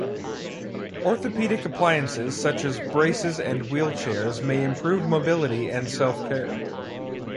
Orthopedic appliances such as braces and wheelchairs may improve mobility and self-care.